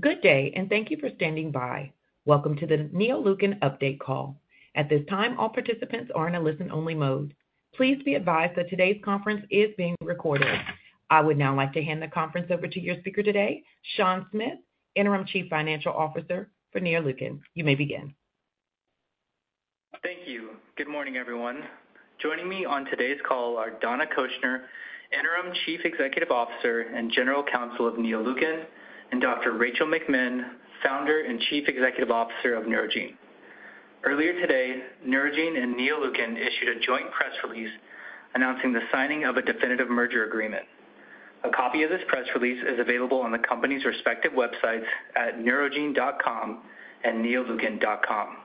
Good day. Thank you for standing by. Welcome to the Neoleukin update call. At this time, all participants are in a listen-only mode. Please be advised that today's conference is being recorded. I would now like to hand the conference over to your speaker today, Sean Smith, Interim Chief Financial Officer for Neoleukin. You may begin. Thank you. Good morning, everyone. Joining me on today's call are Donna Cochener, Interim Chief Executive Officer and General Counsel of Neoleukin, and Dr. Rachel McMinn, Founder and Chief Executive Officer of Neurogene. Earlier today, Neurogene and Neoleukin issued a joint press release announcing the signing of a definitive merger agreement. A copy of this press release is available on the company's respective websites at neurogene.com and neoleukin.com.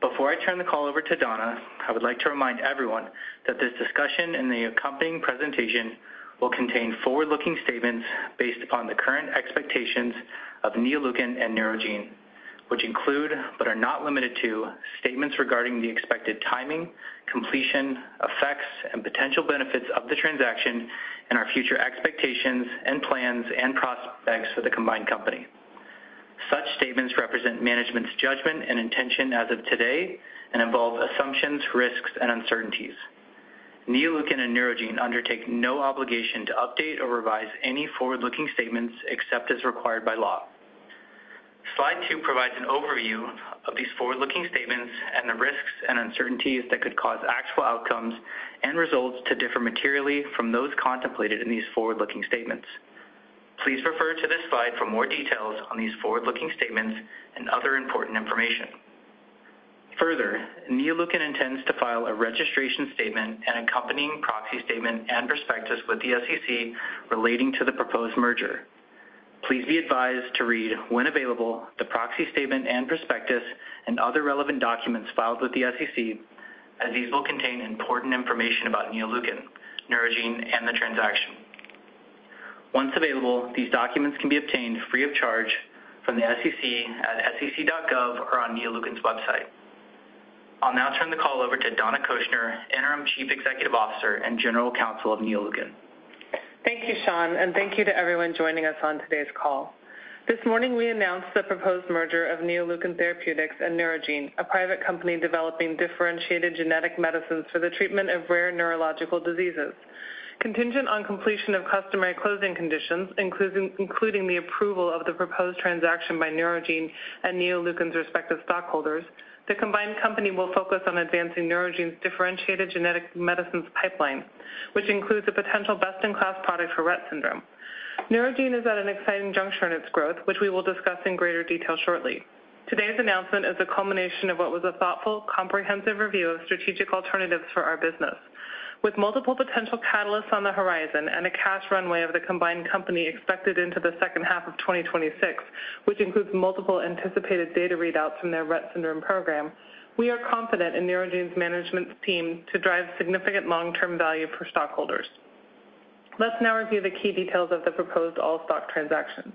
Before I turn the call over to Donna, I would like to remind everyone that this discussion and the accompanying presentation will contain forward-looking statements based upon the current expectations of Neoleukin and Neurogene, which include, but are not limited to, statements regarding the expected timing, completion, effects, and potential benefits of the transaction and our future expectations and plans and prospects for the combined company. Such statements represent management's judgment and intention as of today and involve assumptions, risks, and uncertainties. Neoleukin and Neurogene undertake no obligation to update or revise any forward-looking statements except as required by law. Slide two provides an overview of these forward-looking statements and the risks and uncertainties that could cause actual outcomes and results to differ materially from those contemplated in these forward-looking statements. Please refer to this slide for more details on these forward-looking statements and other important information. Further, Neoleukin intends to file a registration statement and accompanying proxy statement and prospectus with the SEC relating to the proposed merger. Please be advised to read, when available, the proxy statement and prospectus and other relevant documents filed with the SEC, as these will contain important information about Neoleukin, Neurogene, and the transaction. Once available, these documents can be obtained free of charge from the SEC at sec.gov or on Neoleukin's website. I'll now turn the call over to Donna Cochener, Interim Chief Executive Officer and General Counsel of Neoleukin. Thank you, Sean, and thank you to everyone joining us on today's call. This morning, we announced the proposed merger of Neoleukin Therapeutics and Neurogene, a private company developing differentiated genetic medicines for the treatment of rare neurological diseases. Contingent on completion of customary closing conditions, including the approval of the proposed transaction by Neurogene and Neoleukin's respective stockholders, the combined company will focus on advancing Neurogene's differentiated genetic medicines pipeline, which includes a potential best-in-class product for Rett syndrome. Neurogene is at an exciting juncture in its growth, which we will discuss in greater detail shortly. Today's announcement is a culmination of what was a thoughtful, comprehensive review of strategic alternatives for our business. With multiple potential catalysts on the horizon and a cash runway of the combined company expected into the second half of 2026, which includes multiple anticipated data readouts from their Rett syndrome program, we are confident in Neurogene's management team to drive significant long-term value for stockholders. Let's now review the key details of the proposed all-stock transaction.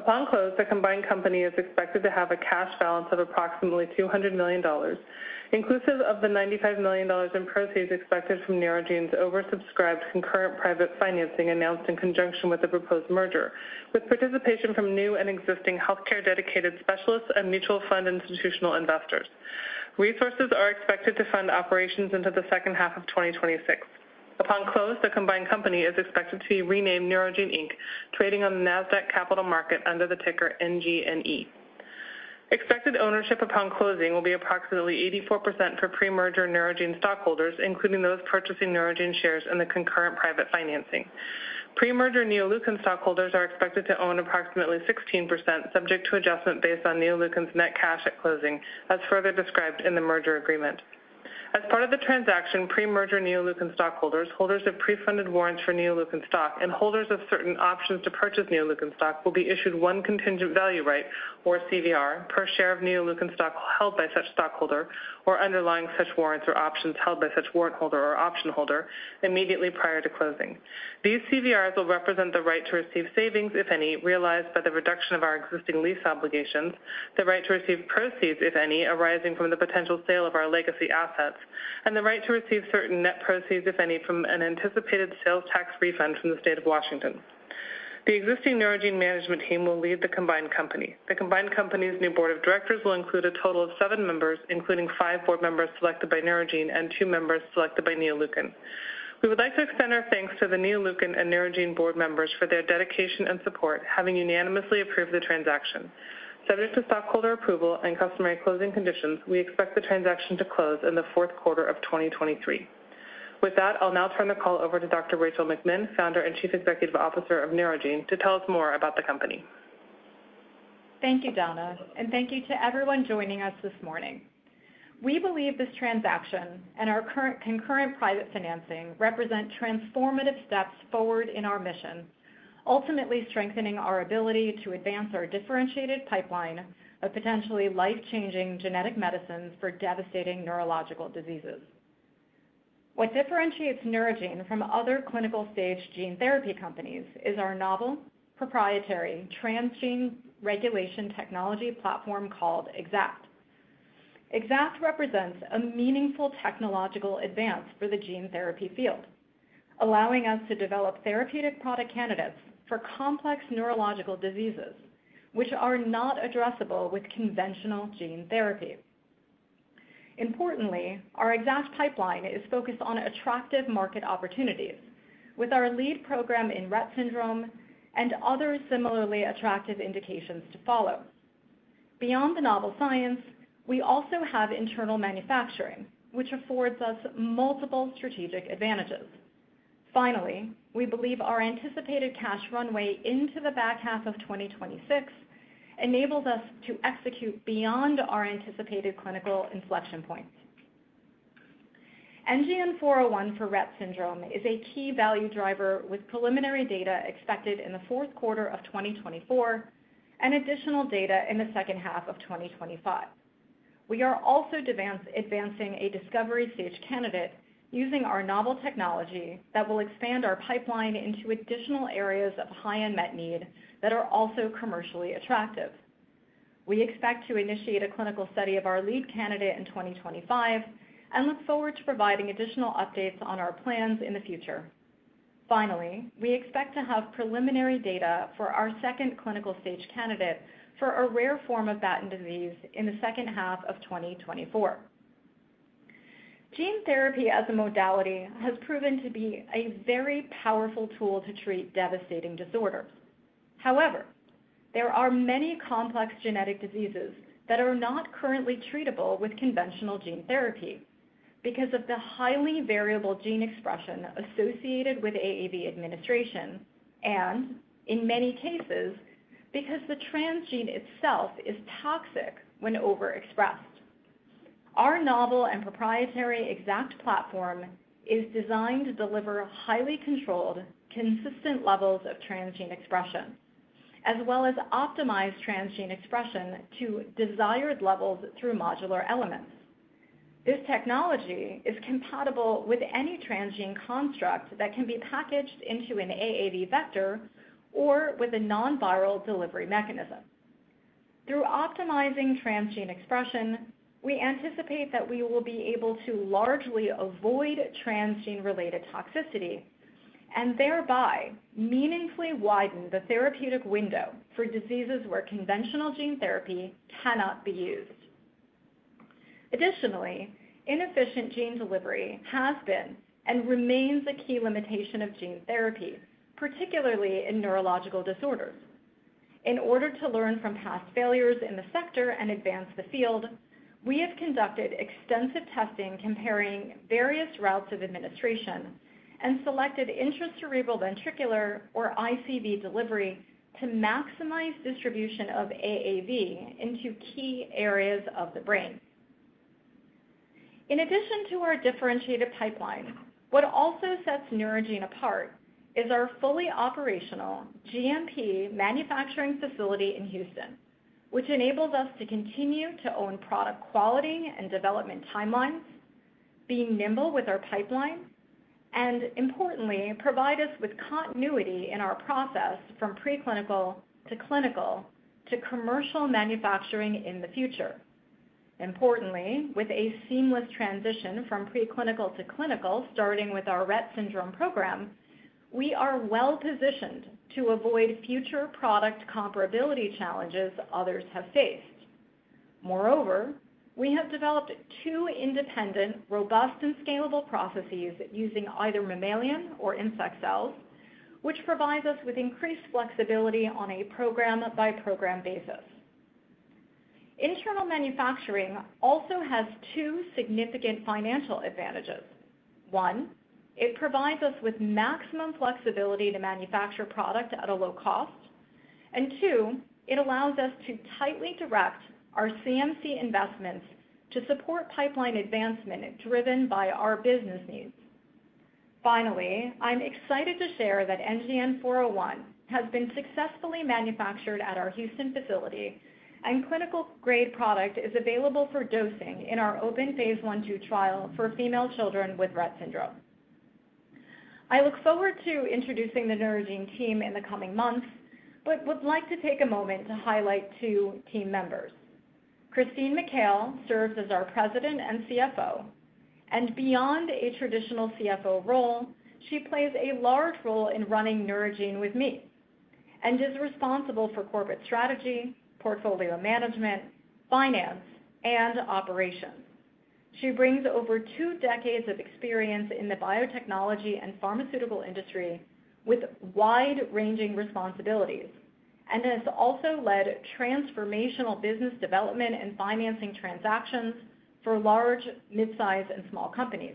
Upon close, the combined company is expected to have a cash balance of approximately $200 million, inclusive of the $95 million in proceeds expected from Neurogene's oversubscribed concurrent private financing announced in conjunction with the proposed merger, with participation from new and existing healthcare-dedicated specialists and mutual fund institutional investors. Resources are expected to fund operations into the second half of 2026. Upon close, the combined company is expected to be renamed Neurogene Inc., trading on the Nasdaq Capital Market under the ticker NGNE. Expected ownership upon closing will be approximately 84% for pre-merger Neurogene stockholders, including those purchasing Neurogene shares in the concurrent private financing. Pre-merger Neoleukin stockholders are expected to own approximately 16%, subject to adjustment based on Neoleukin's net cash at closing, as further described in the merger agreement. As part of the transaction, pre-merger Neoleukin stockholders, holders of pre-funded warrants for Neoleukin stock, and holders of certain options to purchase Neoleukin stock will be issued one contingent value right, or CVR, per share of Neoleukin stock held by such stockholder or underlying such warrants or options held by such warrant holder or option holder immediately prior to closing. These CVRs will represent the right to receive savings, if any, realized by the reduction of our existing lease obligations, the right to receive proceeds, if any, arising from the potential sale of our legacy assets, and the right to receive certain net proceeds, if any, from an anticipated sales tax refund from the state of Washington. The existing Neurogene management team will lead the combined company. The combined company's new board of directors will include a total of seven members, including five board members selected by Neurogene and two members selected by Neoleukin. We would like to extend our thanks to the Neoleukin and Neurogene board members for their dedication and support, having unanimously approved the transaction. Subject to stockholder approval and customary closing conditions, we expect the transaction to close in the fourth quarter of 2023. I'll now turn the call over to Dr. Rachel McMinn, Founder and Chief Executive Officer of Neurogene, to tell us more about the company. Thank you, Donna, and thank you to everyone joining us this morning. We believe this transaction and our concurrent private financing represent transformative steps forward in our mission, ultimately strengthening our ability to advance our differentiated pipeline of potentially life-changing genetic medicines for devastating neurological diseases. What differentiates Neurogene from other clinical-stage gene therapy companies is our novel, proprietary transgene regulation technology platform called EXACT. EXACT represents a meaningful technological advance for the gene therapy field, allowing us to develop therapeutic product candidates for complex neurological diseases, which are not addressable with conventional gene therapy. Importantly, our exact pipeline is focused on attractive market opportunities, with our lead program in Rett syndrome and other similarly attractive indications to follow. Beyond the novel science, we also have internal manufacturing, which affords us multiple strategic advantages. We believe our anticipated cash runway into the back half of 2026 enables us to execute beyond our anticipated clinical inflection points. NGN-401 for Rett syndrome is a key value driver, with preliminary data expected in the fourth quarter of 2024 and additional data in the second half of 2025. We are also advancing a discovery stage candidate using our novel technology that will expand our pipeline into additional areas of high unmet need that are also commercially attractive. We expect to initiate a clinical study of our lead candidate in 2025, and look forward to providing additional updates on our plans in the future. We expect to have preliminary data for our second clinical stage candidate for a rare form of Batten disease in the second half of 2024. Gene therapy as a modality has proven to be a very powerful tool to treat devastating disorders. However, there are many complex genetic diseases that are not currently treatable with conventional gene therapy because of the highly variable gene expression associated with AAV administration, and in many cases, because the transgene itself is toxic when overexpressed. Our novel and proprietary EXACT platform is designed to deliver highly controlled, consistent levels of transgene expression, as well as optimize transgene expression to desired levels through modular elements. This technology is compatible with any transgene construct that can be packaged into an AAV vector or with a non-viral delivery mechanism. Through optimizing transgene expression, we anticipate that we will be able to largely avoid transgene-related toxicity, and thereby meaningfully widen the therapeutic window for diseases where conventional gene therapy cannot be used. Additionally, inefficient gene delivery has been and remains a key limitation of gene therapy, particularly in neurological disorders. In order to learn from past failures in the sector and advance the field, we have conducted extensive testing comparing various routes of administration and selected intracerebroventricular, or ICV, delivery to maximize distribution of AAV into key areas of the brain. In addition to our differentiated pipeline, what also sets Neurogene apart is our fully operational GMP manufacturing facility in Houston, which enables us to continue to own product quality and development timelines, being nimble with our pipeline, and importantly, provide us with continuity in our process from preclinical, to clinical, to commercial manufacturing in the future. Importantly, with a seamless transition from preclinical to clinical, starting with our Rett syndrome program, we are well positioned to avoid future product comparability challenges others have faced. We have developed two independent, robust, and scalable processes using either mammalian or insect cells, which provides us with increased flexibility on a program-by-program basis. Internal manufacturing also has two significant financial advantages. One, it provides us with maximum flexibility to manufacture product at a low cost, and two, it allows us to tightly direct our CMC investments to support pipeline advancement driven by our business needs. I'm excited to share that NGN-401 has been successfully manufactured at our Houston facility, and clinical-grade product is available for dosing in our open phase I/II trial for female children with Rett syndrome. I look forward to introducing the Neurogene team in the coming months, would like to take a moment to highlight two team members. Christine Mikail serves as our President and CFO. Beyond a traditional CFO role, she plays a large role in running Neurogene with me and is responsible for corporate strategy, portfolio management, finance, and operations. She brings over two decades of experience in the biotechnology and pharmaceutical industry with wide-ranging responsibilities. She has also led transformational business development and financing transactions for large, mid-size, and small companies.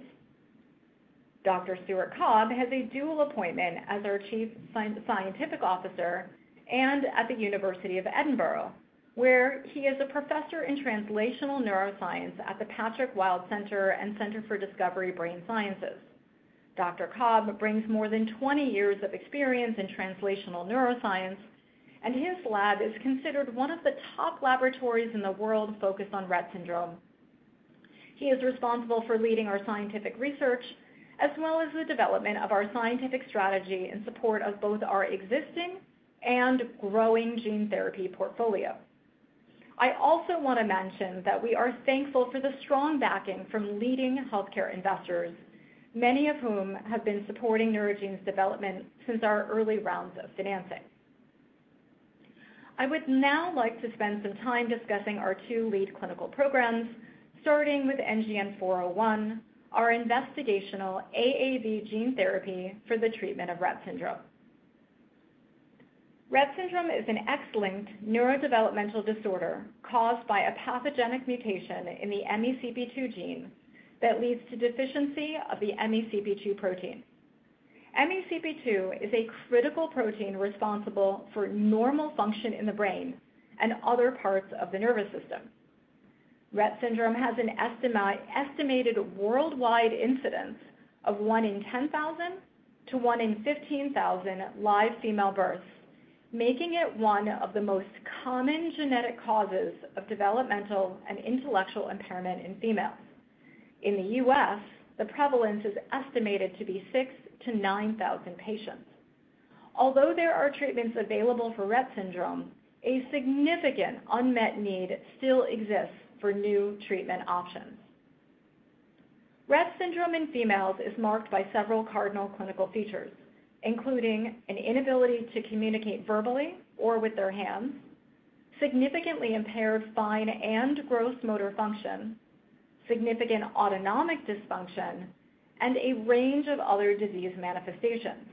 Dr. Stuart Cobb has a dual appointment as our Chief Scientific Officer and at the University of Edinburgh, where he is a professor in Translational Neuroscience at the Patrick Wild Centre and Centre for Discovery Brain Sciences. Dr. Cobb brings more than 20 years of experience in translational neuroscience. His lab is considered one of the top laboratories in the world focused on Rett syndrome. He is responsible for leading our scientific research, as well as the development of our scientific strategy in support of both our existing and growing gene therapy portfolio. I also want to mention that we are thankful for the strong backing from leading healthcare investors, many of whom have been supporting Neurogene's development since our early rounds of financing. I would now like to spend some time discussing our two lead clinical programs, starting with NGN-401, our investigational AAV gene therapy for the treatment of Rett syndrome. Rett syndrome is an X-linked neurodevelopmental disorder caused by a pathogenic mutation in the MECP2 gene that leads to deficiency of the MECP2 protein. MECP2 is a critical protein responsible for normal function in the brain and other parts of the nervous system. Rett syndrome has an estimated worldwide incidence of one in 10,000 to one in 15,000 live female births, making it one of the most common genetic causes of developmental and intellectual impairment in females. In the U.S., the prevalence is estimated to be 6,000-9,000 patients. Although there are treatments available for Rett syndrome, a significant unmet need still exists for new treatment options. Rett syndrome in females is marked by several cardinal clinical features, including an inability to communicate verbally or with their hands, significantly impaired fine and gross motor function, significant autonomic dysfunction, and a range of other disease manifestations.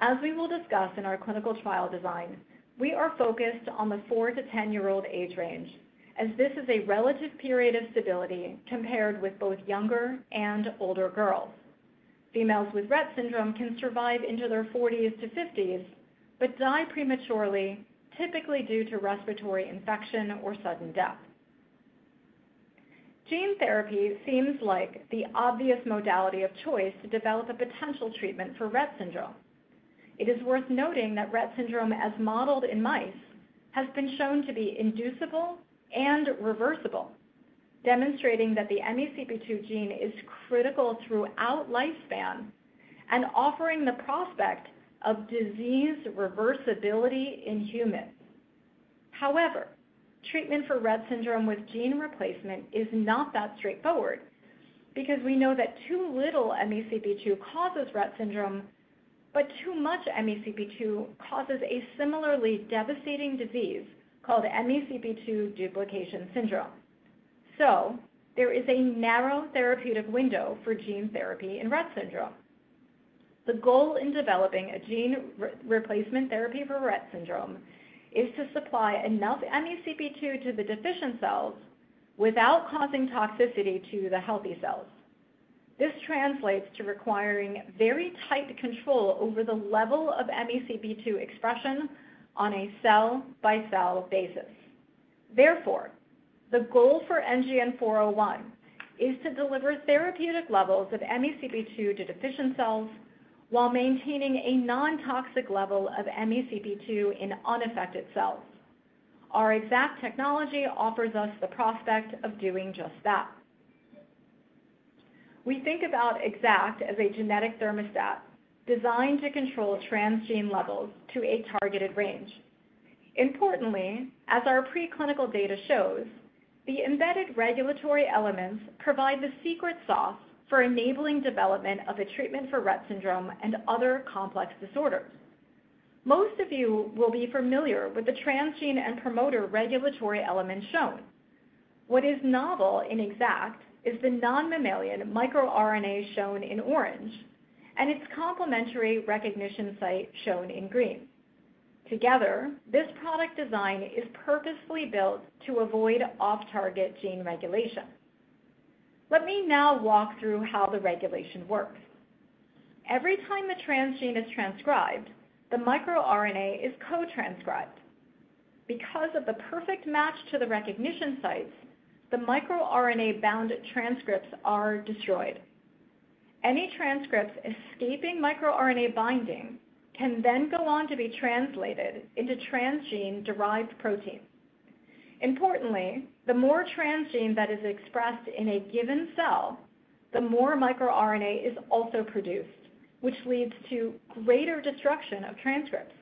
As we will discuss in our clinical trial design, we are focused on the four-10-year-old age range, as this is a relative period of stability compared with both younger and older girls. Females with Rett syndrome can survive into their 40s to 50s, but die prematurely, typically due to respiratory infection or sudden death. Gene therapy seems like the obvious modality of choice to develop a potential treatment for Rett syndrome. It is worth noting that Rett syndrome, as modeled in mice, has been shown to be inducible and reversible, demonstrating that the MECP2 gene is critical throughout lifespan and offering the prospect of disease reversibility in humans. However, treatment for Rett syndrome with gene replacement is not that straightforward, because we know that too little MECP2 causes Rett syndrome, but too much MECP2 causes a similarly devastating disease called MECP2 duplication syndrome. There is a narrow therapeutic window for gene therapy in Rett syndrome. The goal in developing a gene replacement therapy for Rett syndrome is to supply enough MECP2 to the deficient cells without causing toxicity to the healthy cells. This translates to requiring very tight control over the level of MECP2 expression on a cell-by-cell basis. The goal for NGN-401 is to deliver therapeutic levels of MECP2 to deficient cells while maintaining a non-toxic level of MECP2 in unaffected cells. Our EXACT technology offers us the prospect of doing just that. We think about EXACT as a genetic thermostat designed to control transgene levels to a targeted range. Importantly, as our preclinical data shows, the embedded regulatory elements provide the secret sauce for enabling development of a treatment for Rett syndrome and other complex disorders. Most of you will be familiar with the transgene and promoter regulatory elements shown. What is novel and EXACT is the non-mammalian microRNA shown in orange, and its complementary recognition site shown in green. Together, this product design is purposefully built to avoid off-target gene regulation. Let me now walk through how the regulation works. Every time a transgene is transcribed, the microRNA is co-transcribed. Because of the perfect match to the recognition sites, the microRNA-bound transcripts are destroyed. Any transcripts escaping microRNA binding can then go on to be translated into transgene-derived proteins. Importantly, the more transgene that is expressed in a given cell, the more microRNA is also produced, which leads to greater destruction of transcripts.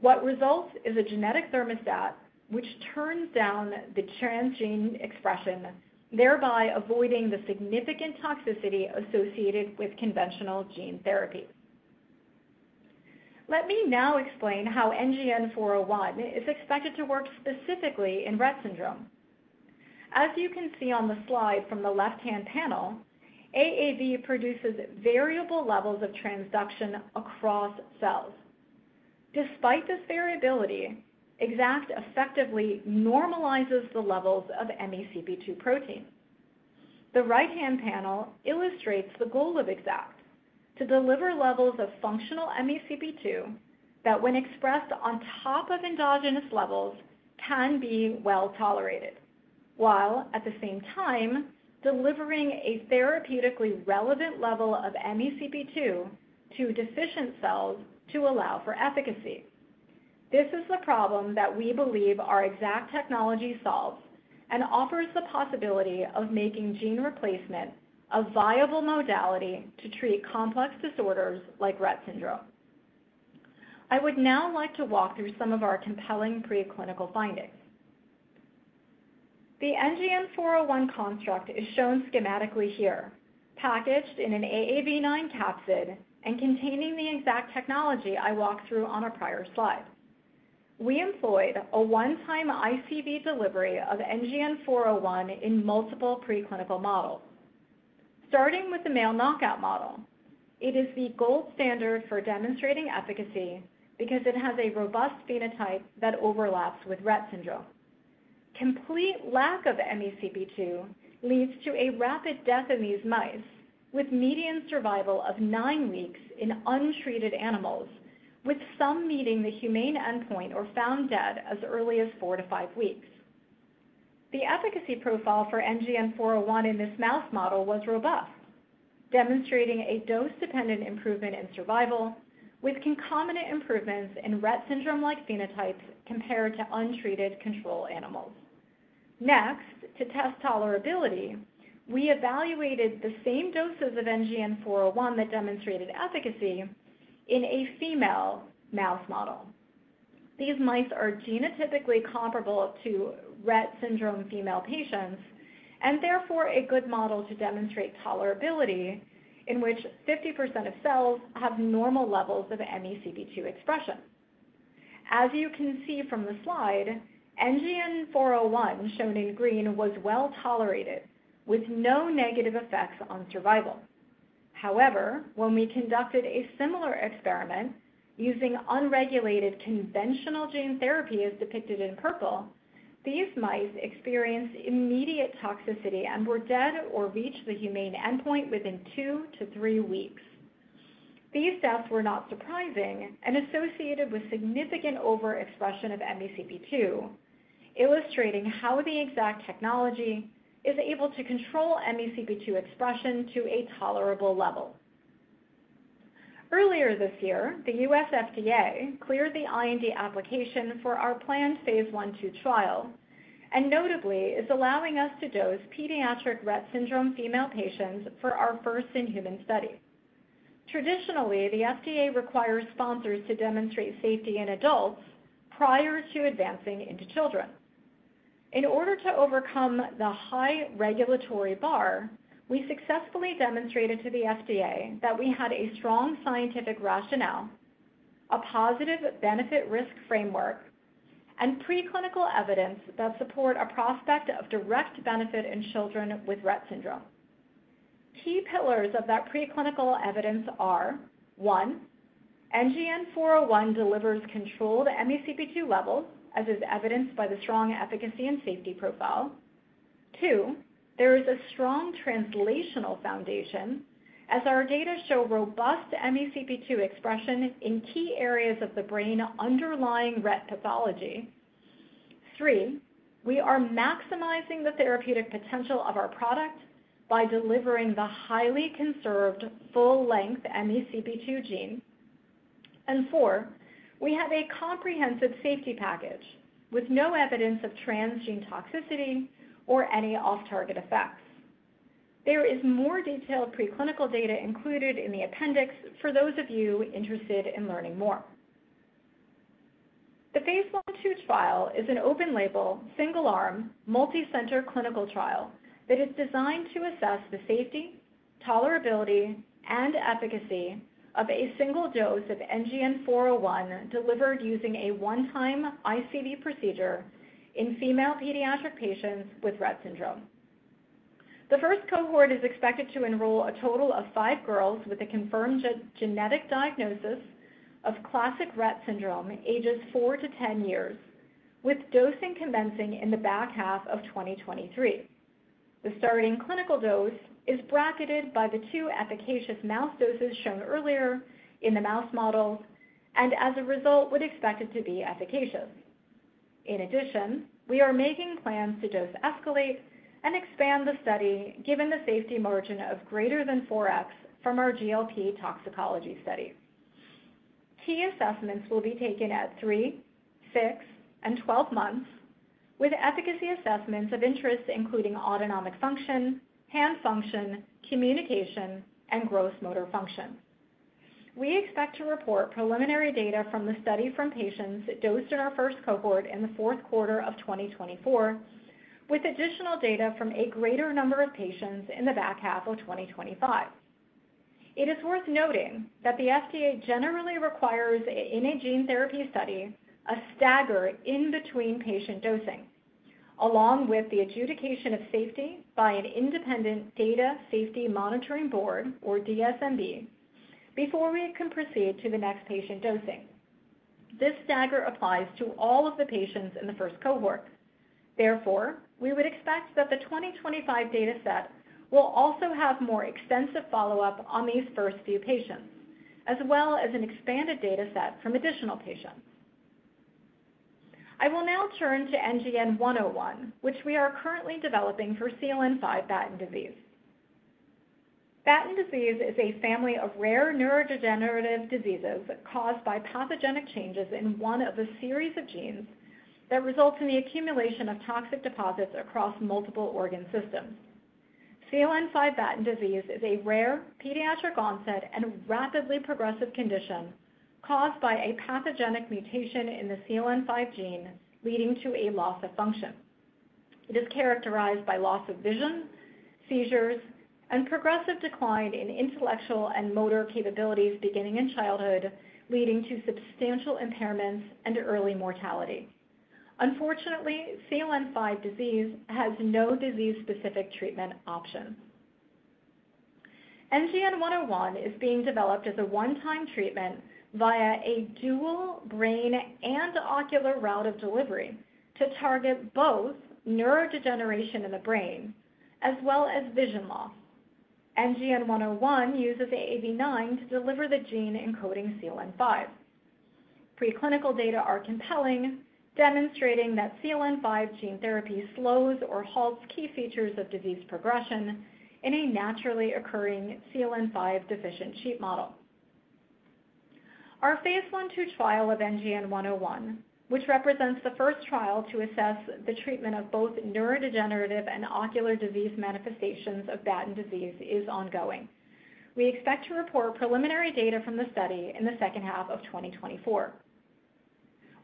What results is a genetic thermostat, which turns down the transgene expression, thereby avoiding the significant toxicity associated with conventional gene therapy. Let me now explain how NGN-401 is expected to work specifically in Rett syndrome. As you can see on the slide from the left-hand panel, AAV produces variable levels of transduction across cells. Despite this variability, EXACT effectively normalizes the levels of MECP2 protein. The right-hand panel illustrates the goal of EXACT: to deliver levels of functional MECP2 that, when expressed on top of endogenous levels, can be well tolerated, while at the same time delivering a therapeutically relevant level of MECP2 to deficient cells to allow for efficacy. This is the problem that we believe our EXACT technology solves and offers the possibility of making gene replacement a viable modality to treat complex disorders like Rett syndrome. I would now like to walk through some of our compelling preclinical findings. The NGN-401 construct is shown schematically here, packaged in an AAV9 capsid and containing the EXACT technology I walked through on a prior slide. We employed a one-time ICV delivery of NGN-401 in multiple preclinical models. Starting with the male knockout model, it is the gold standard for demonstrating efficacy because it has a robust phenotype that overlaps with Rett syndrome. Complete lack of MECP2 leads to a rapid death in these mice, with median survival of nine weeks in untreated animals, with some meeting the humane endpoint or found dead as early as four-five weeks. The efficacy profile for NGN-401 in this mouse model was robust, demonstrating a dose-dependent improvement in survival, with concomitant improvements in Rett syndrome-like phenotypes compared to untreated control animals. Next, to test tolerability, we evaluated the same doses of NGN-401 that demonstrated efficacy in a female mouse model. These mice are genotypically comparable to Rett syndrome female patients, therefore a good model to demonstrate tolerability, in which 50% of cells have normal levels of MECP2 expression. As you can see from the slide, NGN-401, shown in green, was well tolerated, with no negative effects on survival. However, when we conducted a similar experiment using unregulated conventional gene therapy, as depicted in purple, these mice experienced immediate toxicity and were dead or reached the humane endpoint within two-three weeks. These deaths were not surprising and associated with significant overexpression of MECP2, illustrating how the EXACT technology is able to control MECP2 expression to a tolerable level. Earlier this year, the U.S. FDA cleared the IND application for our planned phase I, II trial, notably, is allowing us to dose pediatric Rett syndrome female patients for our first in human study. Traditionally, the FDA requires sponsors to demonstrate safety in adults prior to advancing into children. In order to overcome the high regulatory bar, we successfully demonstrated to the FDA that we had a strong scientific rationale, a positive benefit risk framework, and preclinical evidence that support a prospect of direct benefit in children with Rett syndrome. Key pillars of that preclinical evidence are: One, NGN-401 delivers controlled MECP2 levels, as is evidenced by the strong efficacy and safety profile. Two, there is a strong translational foundation, as our data show robust MECP2 expression in key areas of the brain underlying Rett pathology. three, we are maximizing the therapeutic potential of our product by delivering the highly conserved, full-length MECP2 gene. Four, we have a comprehensive safety package with no evidence of transgene toxicity or any off-target effects. There is more detailed preclinical data included in the appendix for those of you interested in learning more. The phase one, two trial is an open label, single-arm, multicenter clinical trial that is designed to assess the safety, tolerability, and efficacy of a single dose of NGN-401 delivered using a one-time ICV procedure in female pediatric patients with Rett syndrome. The first cohort is expected to enroll a total of five girls with a confirmed genetic diagnosis of classic Rett syndrome, ages four to 10 years, with dosing commencing in the back half of 2023. The starting clinical dose is bracketed by the two efficacious mouse doses shown earlier in the mouse model, and as a result, would expect it to be efficacious. We are making plans to dose escalate and expand the study, given the safety margin of greater than 4x from our GLP toxicology study. Key assessments will be taken at three, six, and 12 months, with efficacy assessments of interest including autonomic function, hand function, communication, and gross motor function. We expect to report preliminary data from the study from patients dosed in our first cohort in the fourth quarter of 2024, with additional data from a greater number of patients in the back half of 2025. It is worth noting that the FDA generally requires, in a gene therapy study, a stagger in between patient dosing, along with the adjudication of safety by an independent Data Safety Monitoring Board, or DSMB, before we can proceed to the next patient dosing. This stagger applies to all of the patients in the first cohort. Therefore, we would expect that the 2025 data set will also have more extensive follow-up on these first few patients, as well as an expanded data set from additional patients. I will now turn to NGN-101, which we are currently developing for CLN5 Batten disease. Batten disease is a family of rare neurodegenerative diseases caused by pathogenic changes in one of a series of genes that results in the accumulation of toxic deposits across multiple organ systems. CLN5 Batten disease is a rare pediatric onset and rapidly progressive condition caused by a pathogenic mutation in the CLN5 gene, leading to a loss of function. It is characterized by loss of vision, seizures, and progressive decline in intellectual and motor capabilities beginning in childhood, leading to substantial impairments and early mortality. Unfortunately, CLN5 disease has no disease-specific treatment options. NGN-101 is being developed as a one-time treatment via a dual brain and ocular route of delivery to target both neurodegeneration in the brain as well as vision loss. NGN-101 uses AAV9 to deliver the gene encoding CLN5. Preclinical data are compelling, demonstrating that CLN5 gene therapy slows or halts key features of disease progression in a naturally occurring CLN5-deficient sheep model. Our phase I, II trial of NGN-101, which represents the first trial to assess the treatment of both neurodegenerative and ocular disease manifestations of Batten disease, is ongoing. We expect to report preliminary data from the study in the second half of 2024.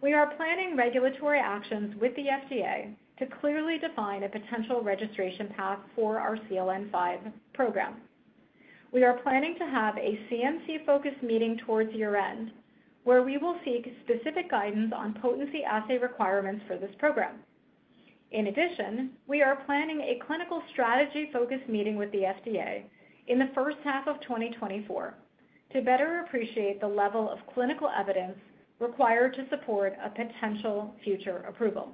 We are planning regulatory actions with the FDA to clearly define a potential registration path for our CLN5 program. We are planning to have a CMC-focused meeting towards year-end, where we will seek specific guidance on potency assay requirements for this program. In addition, we are planning a clinical strategy-focused meeting with the FDA in the first half of 2024 to better appreciate the level of clinical evidence required to support a potential future approval.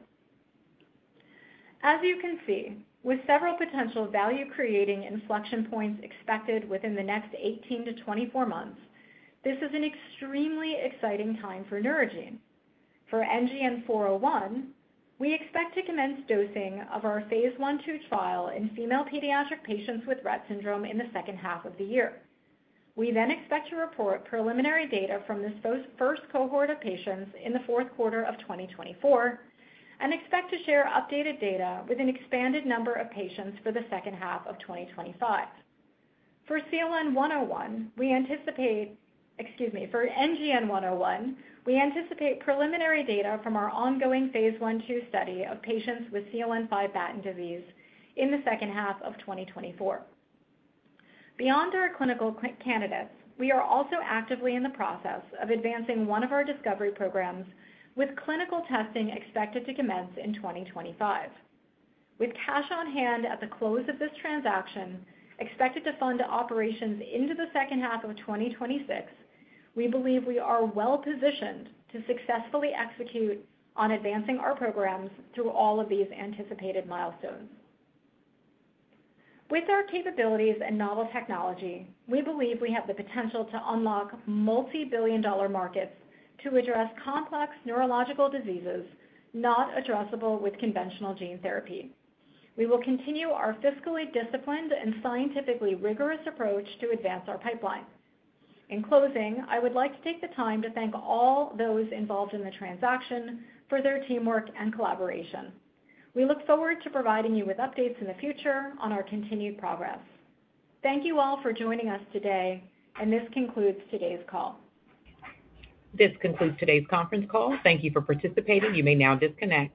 As you can see, with several potential value-creating inflection points expected within the next 18-24 months, this is an extremely exciting time for Neurogene. For NGN 401, we expect to commence dosing of our phase I/II trial in female pediatric patients with Rett syndrome in the second half of the year. We expect to report preliminary data from this first cohort of patients in the fourth quarter of 2024, and expect to share updated data with an expanded number of patients for the second half of 2025. For CLN101, excuse me, for NGN-101, we anticipate preliminary data from our ongoing phase I, II study of patients with CLN5 Batten disease in the second half of 2024. Beyond our clinical candidates, we are also actively in the process of advancing one of our discovery programs, with clinical testing expected to commence in 2025. With cash on hand at the close of this transaction, expected to fund operations into the second half of 2026, we believe we are well positioned to successfully execute on advancing our programs through all of these anticipated milestones. With our capabilities and novel technology, we believe we have the potential to unlock multi-billion dollar markets to address complex neurological diseases not addressable with conventional gene therapy. We will continue our fiscally disciplined and scientifically rigorous approach to advance our pipeline. In closing, I would like to take the time to thank all those involved in the transaction for their teamwork and collaboration. We look forward to providing you with updates in the future on our continued progress. Thank you all for joining us today, and this concludes today's call. This concludes today's conference call. Thank you for participating. You may now disconnect.